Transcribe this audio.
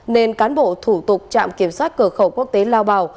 nên cán bộ thủ tục trạm kiểm soát cửa khẩu quốc tế lao bảo